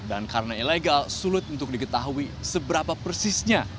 dan karena ilegal sulit untuk diketahui seberapa persisnya